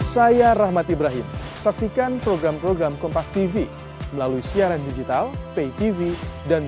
saya rahmat ibrahim saksikan program program kompas tv melalui siaran digital pay tv dan